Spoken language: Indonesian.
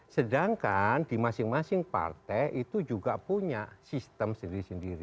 sedangkan di masing masing partai itu juga punya sistem sendiri sendiri